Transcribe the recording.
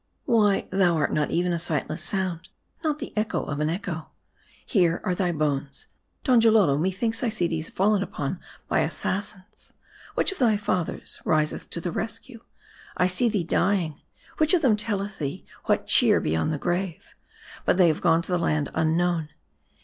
Why, thou art not even a sightless sound ; not the eoho of an echo ; here are thy bones. Donjalolo, methinks I see thee fallen upon by assassins : which of thy fathers riseth to the rescue ? I see thee dying : which of them telleth thee what cheer beyond the grave ? But they have gone to the land un known.